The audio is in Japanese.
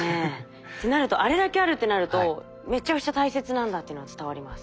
ってなるとあれだけあるってなるとめちゃくちゃ大切なんだっていうのが伝わります。